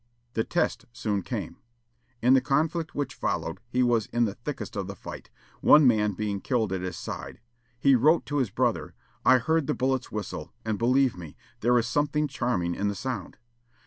The test soon came. In the conflict which followed he was in the thickest of the fight, one man being killed at his side. He wrote to his brother, "I heard the bullets whistle, and, believe me, there is something charming in the sound."